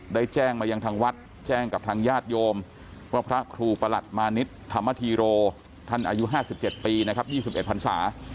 ได้แจ้งมายังทางวัดแจ้งกับทางญาติโยมว่าพระครูประหลัดมานิดธรรมธีโรท่านอายุ๕๗ปีนะครับ๒๑พันศา